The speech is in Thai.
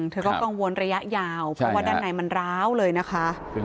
เธอก็กังวลระยะยาวเพราะว่าด้านในมันร้าวเลยนะคะ